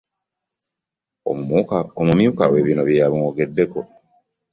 Omumyuka we byebino by'eyamwogeddeko .